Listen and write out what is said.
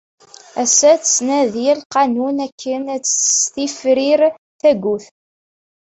Ass-a tettnadi lqanun akken ad as-tifrir tagut.